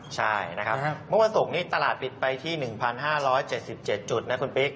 ใช่นะครับเมื่อวันศุกร์นี้ตลาดปิดไปที่๑๕๗๗จุดนะคุณปิ๊ก